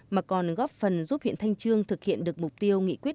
mà còn góp phần giúp huyện thanh trương thực hiện được mục tiêu nghị quyết